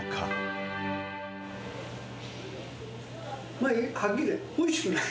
ま、はっきり言って、おいしくない。